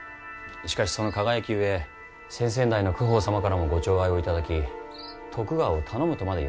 しかし、その輝きゆえ先々代の公方様からもご寵愛を頂き「徳川を頼む」とまで言われた。